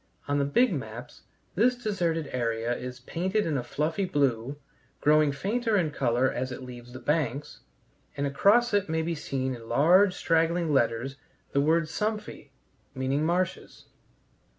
On the big maps this deserted area is painted in a fluffy blue, growing fainter in color as it leaves the banks, and across it may be seen in large straggling letters the word Sümpfe, meaning marshes.